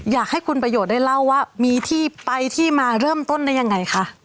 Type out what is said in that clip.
อยากให้คุณประโยชน์ได้เล่าว่ามีที่ไปที่มาเริ่มต้นได้ยังไงคะ